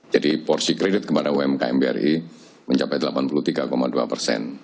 jadi porsi kredit kepada umkm bri mencapai delapan puluh tiga dua persen